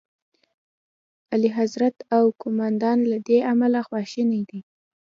اعلیخضرت او قوماندان له دې امله خواشیني دي.